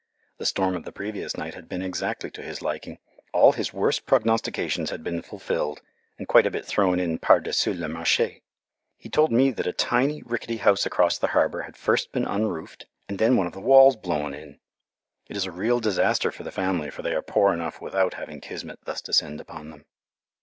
The storm of the previous night had been exactly to his liking. All his worst prognostications had been fulfilled, and quite a bit thrown in par dessus le marché. He told me that a tiny, rickety house across the harbour had first been unroofed, and then one of the walls blown in. It is a real disaster for the family, for they are poor enough without having Kismet thus descend upon them.